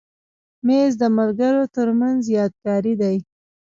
مېز د ملګرو تر منځ یادګاري دی.